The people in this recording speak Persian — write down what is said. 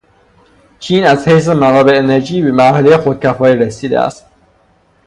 چین از حیث منابع انرژی به مرحلهُ خود کفایتی رسیده است.